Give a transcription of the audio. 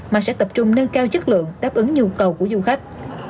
mà sẽ tập trung nâng cao chất lượng đáp ứng nhu cầu của du khách